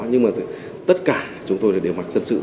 nhưng mà tất cả chúng tôi đều mặc dân sự